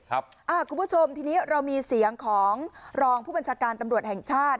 คุณผู้ชมทีนี้เรามีเสียงของรองผู้บัญชาการตำรวจแห่งชาติ